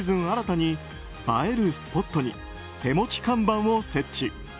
新たに映えるスポットに手持ち看板を設置。